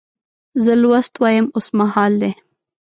زه لوست وایم اوس مهال دی.